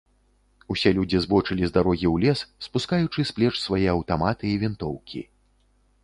Усе людзі збочылі з дарогі ў лес, спускаючы з плеч свае аўтаматы і вінтоўкі.